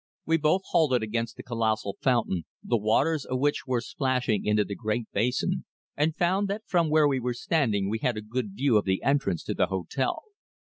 We both halted against the colossal fountain, the waters of which were plashing into the great basin, and found that from where we were standing we had a good view of the entrance to the hotel.